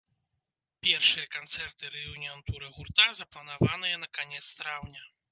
Першыя канцэрты рэюніян-тура гурта запланаваныя на канец траўня.